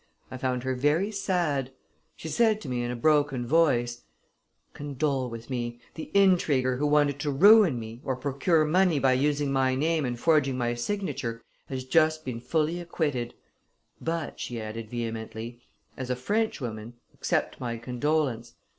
I found her very sad. She said to me in a broken voice: 'Condole with me; the intriguer who wanted to ruin me, or procure money by using my name and forging my signature, has just been fully acquitted. But,' she added vehemently, 'as a Frenchwoman, accept my condolence.